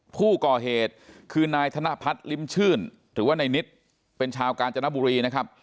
ผู้ก่อเหตุคือนายธนพัฒน์ลิ้มชื่นหรือว่าในนิดเป็นชาวกาญจนบุรีนะครับ